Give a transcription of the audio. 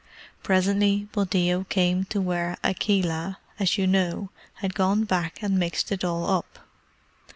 Presently Buldeo came to where Akela, as you know, had gone back and mixed it all up.